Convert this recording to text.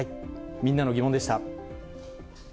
みんなのギモンでした。